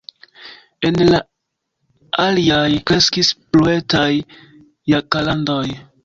En la aliaj kreskis bluetaj jakarandoj.